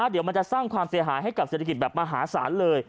เดี๋ยวมันจะสร้างความเสียหายให้กับเศรษฐกิจแบบมหาศาลเลย